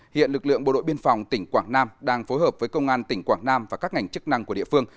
hiện lực lượng bộ đội biên phòng tỉnh quảng nam đang phối hợp với công an tỉnh quảng nam và các ngành chức năng của địa phương